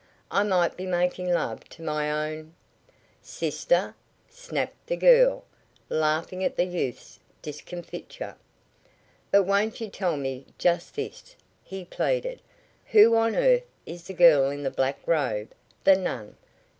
"I might be making love to my own " "Sister!" snapped the girl, laughing at the youth's discomfiture. "But won't you tell me just this?" he pleaded. "Who on earth is the girl in the black robe the nun?